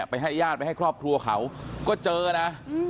ให้ญาติไปให้ครอบครัวเขาก็เจอนะ